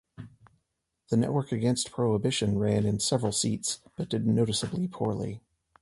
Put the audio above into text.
The Network Against Prohibition ran in several seats, but did noticeably poorly.